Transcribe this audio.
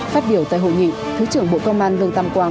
phát biểu tại hội nghị thứ trưởng bộ công an lương tam quang